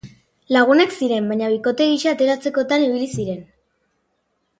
Lagunak ziren baina bikote gisa ateratzekotan ibili ziren.